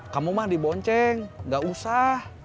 kamu mak dibonceng nggak usah